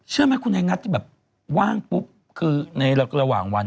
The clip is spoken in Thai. เชื่อไหมคุณไอ้นัทที่แบบว่างปุ๊บคือในระหว่างวัน